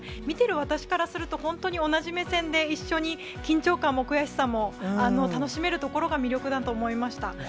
見てるわたくしからすると、本当に同じ目線で一緒に緊張感も悔しさも、楽しめるところが魅力だと思いました。